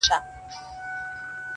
د دې وطن د شمله ورو قدر څه پیژني؛